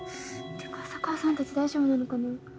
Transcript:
ていうか浅川さんたち大丈夫なのかな。